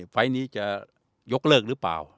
ไฟล์นี้จะยกเลิกหรือเปล่า